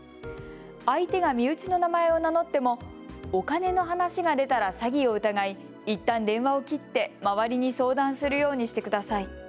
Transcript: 相手が身内の名前を名乗ってもお金の話が出たら詐欺を疑いいったん電話を切って周りに相談するようにしてください。